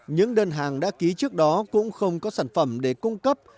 những đơn hàng đã ký trước đó cũng không có sản phẩm để cung cấp